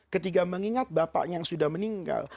ketika mengingat bapaknya yang sudah meninggal